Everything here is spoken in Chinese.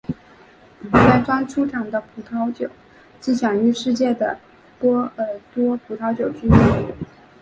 该庄出产的葡萄酒是享誉世界的波尔多葡萄酒之一。